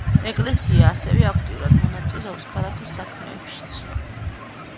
ეკლესია ასევე აქტიურად მონაწილეობს ქალაქის საქმეებშიც.